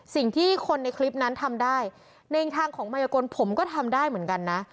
สิ่งที่คนในคลิปนั้นทำได้ในทางของมายกลผมก็ทำได้เหมือนกันนะ